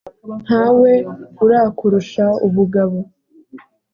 nta we urakurusha ubugabo